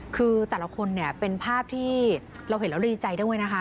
คือแต่ละคนเนี่ยเป็นภาพที่เราเห็นแล้วดีใจด้วยนะคะ